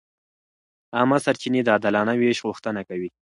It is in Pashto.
عامه سرچینې د عادلانه وېش غوښتنه کوي.